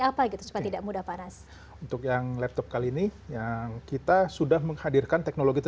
apa gitu supaya tidak mudah panas untuk yang laptop kali ini yang kita sudah menghadirkan teknologi